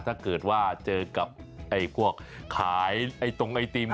ถ้าเกิดว่าเจอกับไอตรงไอติม